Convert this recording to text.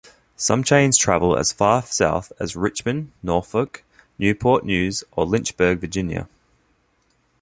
Some trains travel as far south as Richmond, Norfolk, Newport News or Lynchburg, Virginia.